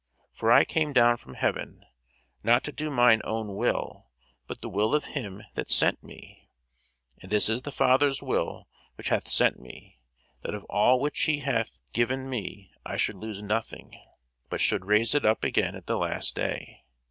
For I came down from heaven, not to do mine own will, but the will of him that sent me. And this is the Father's will which hath sent me, that of all which he hath given me I should lose nothing, but should raise it up again at the last day.